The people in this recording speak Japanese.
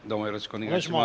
お願いします。